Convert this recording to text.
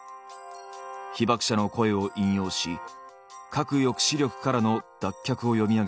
被爆者の声を引用し核抑止力からの脱却を読み上げた文書。